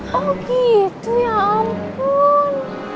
kok gitu ya ampun